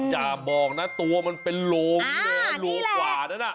อย่าบอกนะตัวมันเป็นโล่งโล่กว่านะ